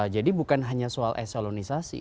jadi bukan hanya soal eselonisasi